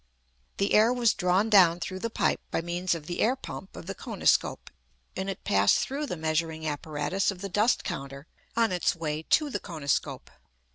The air was drawn down through the pipe by means of the air pump of the koniscope, and it passed through the measuring apparatus of the dust counter on its way to the koniscope.